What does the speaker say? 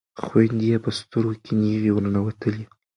خویندې یې په سترګو کې نیغې ورننوتلې.